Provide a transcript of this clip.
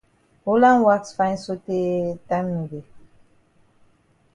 Holland wax fine sotay time no dey.